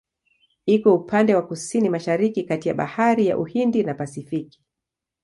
Iko upande wa Kusini-Mashariki kati ya Bahari ya Uhindi na Pasifiki.